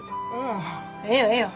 ええよええよ。